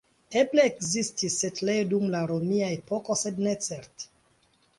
Eble ekzistis setlejo dum la romia epoko sed ne certe.